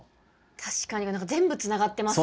確かに全部つながってますね。